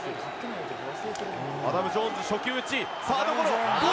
アダム・ジョーンズ初球打ち。